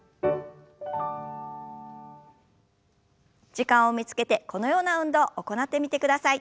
時間を見つけてこのような運動を行ってみてください。